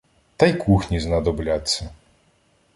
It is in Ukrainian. Та й кухні знадобляться.